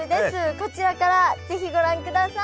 こちらから是非ご覧ください。